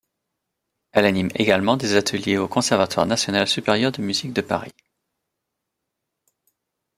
Elle anime également des ateliers au Conservatoire national supérieur de musique de Paris.